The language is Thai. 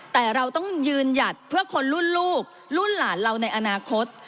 แต่เราต้องยืนหยัดเพื่อคนรุ่นลูกรุ่นหลานเราในอนาคต